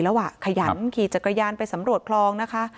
เล่าอ่ะขยันขีจากกระยานไปสำหรวดครองนะคะ